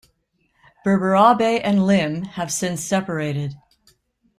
Berberabe and Lim have since separated.